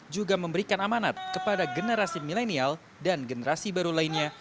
juga memberikan amanat kepada generasi milenial dan generasi baru lainnya